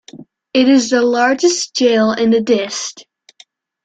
It is the largest Jail in the dist.